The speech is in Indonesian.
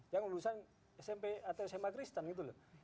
yang lulusan smp atau sma kristen gitu loh